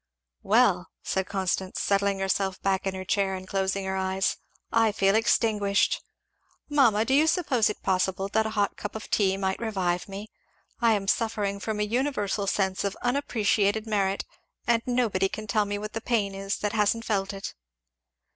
"Well," said Constance settling herself back in her chair and closing her eyes, "I feel extinguished! Mamma, do you suppose it possible that a hot cup of tea might revive me? I am suffering from a universal sense of unappreciated merit! and nobody can tell what the pain is that hasn't felt it."